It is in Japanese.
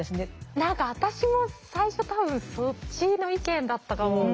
何か私も最初多分そっちの意見だったかも。